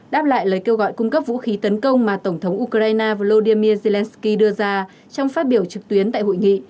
đáp lại lời kêu gọi cung cấp vũ khí tấn công mà tổng thống ukraine volodymyr zelensky đưa ra trong phát biểu trực tuyến tại hội nghị